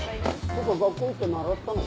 どっか学校行って習ったの？